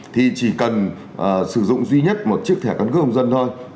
thì chỉ cần sử dụng duy nhất một chiếc thẻ căn cước công dân thôi